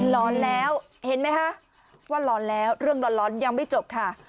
ร้อนแล้วเห็นไหมคะว่าร้อนแล้วเรื่องร้อนยังไม่จบค่ะ